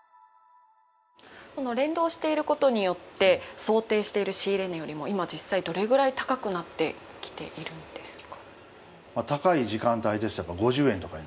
連動していることによって想定している仕入れ値よりも今実際、どれぐらい高くなってきているんですか？